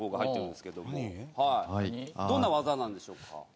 どんな技なんでしょうか？